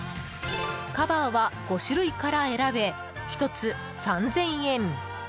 カバーは５種類から選べ１つ３０００円。